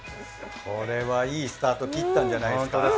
これはいいスタートきったんじゃないですか？